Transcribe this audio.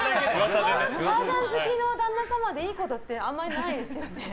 マージャン好きの旦那様でいいことはあんまりないですよね。